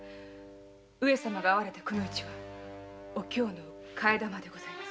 上様が会われた「くの一」はお京の替え玉でございます。